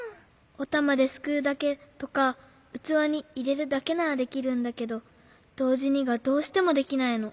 おたまですくうだけとかうつわにいれるだけならできるんだけどどうじにがどうしてもできないの。